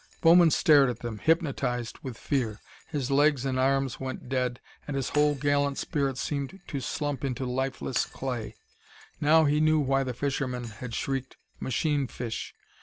Bowman stared at them, hypnotized with fear. His legs and arms went dead, and his whole gallant spirit seemed to slump into lifeless clay. Now he knew why the fishermen had shrieked "machine fish."